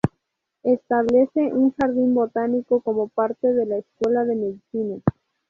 Establece un jardín botánico como parte de la Escuela de Medicina.